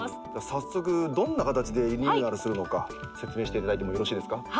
早速どんな形でリニューアルするのか説明していただいてもよろしいですか？